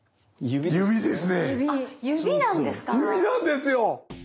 ⁉指なんですよ！